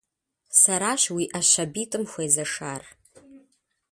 Сэращ уи Ӏэ щабитӀым хуезэшар.